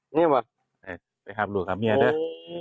นี่แหวะไปหับหลูกหับเมียด้วย